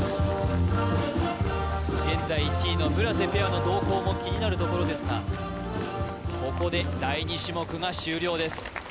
現在１位の村瀬ペアの動向も気になるところですがここで第２種目が終了です